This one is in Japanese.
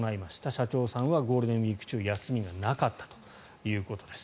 社長さんはゴールデンウィーク中休みがなかったということです。